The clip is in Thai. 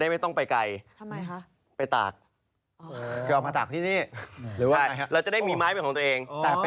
เดี๋ยวนี้พระมองเขาเอาไม้สวนมาจำนำได้หรือไง